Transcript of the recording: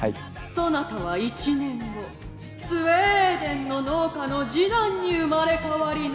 そなたは１年後スウェーデンの農家の次男に生まれ変わりなさい。